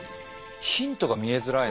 ヒントが見えづらい